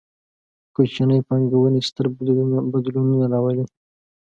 کوچنۍ پانګونې، ستر بدلونونه راولي